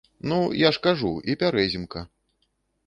Ну, я ж кажу, і пярэзімка.